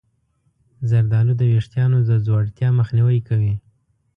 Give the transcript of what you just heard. زردآلو د ویښتانو د ځوړتیا مخنیوی کوي.